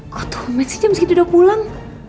kok tuh masih jam segitu udah pulang